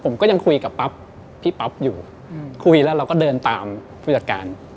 ผมก็ยังคุยกับปั๊บพี่ปั๊บอยู่คุยแล้วเราก็เดินตามผู้จัดการ